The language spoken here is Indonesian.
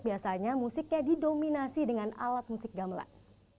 biasanya musiknya didominasi dengan alat musik gamelan